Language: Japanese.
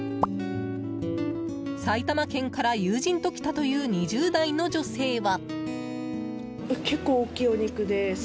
埼玉県から友人と来たという２０代の女性は。